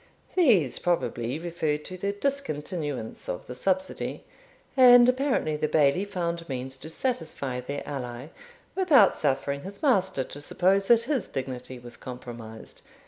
These probably referred to the discontinuance of the subsidy, and apparently the Bailie found means to satisfy their ally, without suffering his master to suppose that his dignity was compromised.